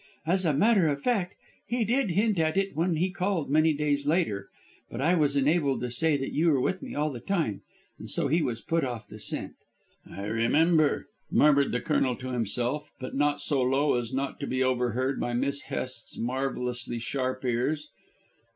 As a matter of fact, he did hint at it when he called many days later, but I was enabled to say that you were with me all the time, and so he was put off the scent." "I remember," murmured the Colonel to himself, but not so low as not to be overheard by Miss Hest's marvellously sharp ears.